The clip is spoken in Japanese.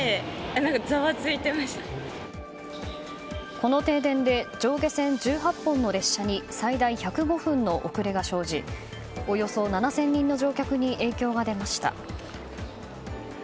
この停電で上下線１８本の列車に最大１０５分の遅れが生じおよそ７０００人の乗客に影響が出ました。